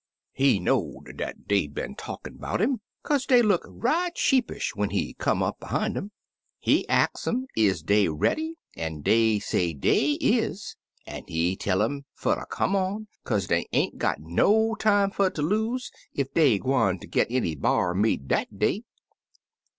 He knoVd dat dey 'd been talkin' 'bout 'im, kaze dey look right sheepish when he come up behime um. He ax um is dey ready, an' dey say dey is, an' he tell um fer ter come on, kaze dey ain't got no time fer ter lose ef dey gwine ter git any b'ar meat dat day.